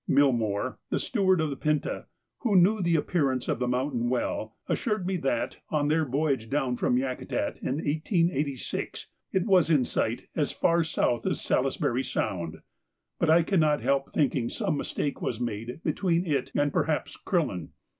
Milmore, the steward of the 'Pinta,' who knew the appearance of the mountain well, assured me that, on their voyage down from Yakutat in 1886, it was in sight as far south as Salisbury Sound; but I cannot help thinking some mistake was made between it and perhaps Crillon.